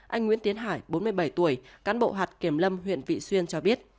anh nguyễn tiến hải bốn mươi bảy tuổi cán bộ hạt kiểm lâm huyện vị xuyên cho biết